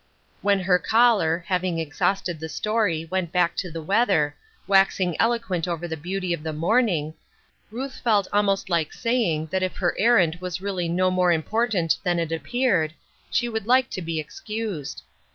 When her caller, having exhausted the story, went back to the weather, waxing eloquent over the beauty of the morning, Ruth felt almost like saying that if her errand was really no more im portant than it appeared, she would like to be excused.